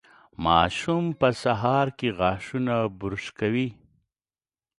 ماشوم په سهار کې غاښونه برش کوي.